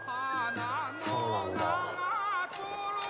そうなんだ。